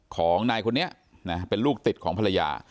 ของนายคนนี้นะเป็นลูกติดของภรรยา